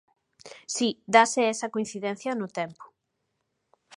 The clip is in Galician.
Si, dáse esa coincidencia no tempo.